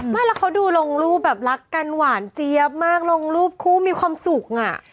ไม่แล้วเขาดูลงรูปแบบรักกันหวานเจี๊ยบมากลงรูปคู่มีความสุขอ่ะ